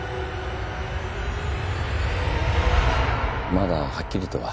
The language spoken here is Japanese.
まだはっきりとは。